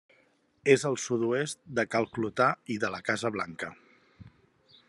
És al sud-oest de Cal Clotar i de la Casa Blanca.